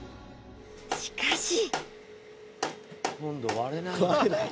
［しかし］